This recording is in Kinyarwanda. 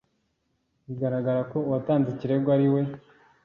bigaragaza ko uwatanze ikirego ari we